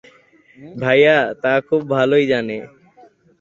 ভাইয়া তা খুব ভালোই জানে।